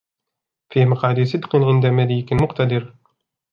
فِي مَقْعَدِ صِدْقٍ عِنْدَ مَلِيكٍ مُقْتَدِرٍ